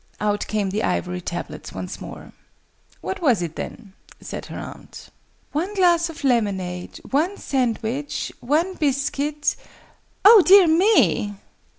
Out came the ivory tablets once more. "What was it, then?" said her aunt. "One glass of lemonade, one sandwich, one biscuit Oh dear me!"